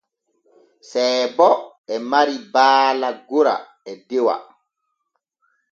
Seebo e mari baala gora e dewa.